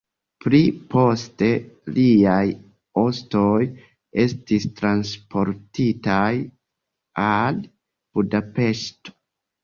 Pli poste liaj ostoj estis transportitaj al Budapeŝto.